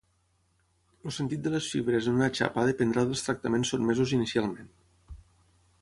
El sentit de les fibres en una xapa dependrà dels tractaments sotmesos inicialment.